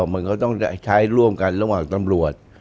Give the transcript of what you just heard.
มันก็ต้องใช้ร่วมกันระหว่างตำรวจ